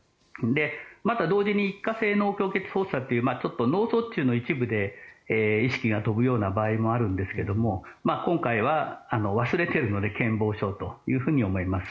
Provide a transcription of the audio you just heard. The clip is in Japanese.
また、同時に一過性の虚血発作脳卒中の一部で意識が飛ぶような場合もあるんですが今回は忘れているので健忘症と。